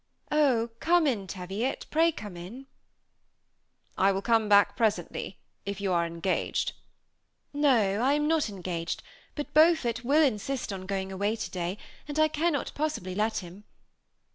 "Oh, come in, Teviot, pray come in!" " I will come back presently, if you are engaged." ^ No, I am not engaged, but Beaufort will insist on going away to day; and I cannot possibly let him.